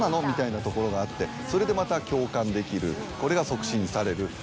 みたいなところがあってそれでまた共感できるこれが促進される。